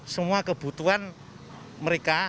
semua kebutuhan mereka